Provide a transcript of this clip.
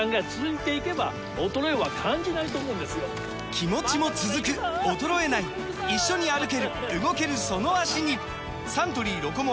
気持ちも続く衰えない一緒に歩ける動けるその脚にサントリー「ロコモア」！